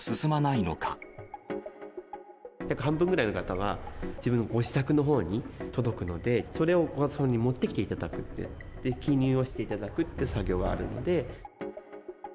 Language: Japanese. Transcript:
約半分ぐらいの方は、自分のご自宅のほうに届くので、それをご家族に持ってきていただく、で、記入をしていただくって作業があるので。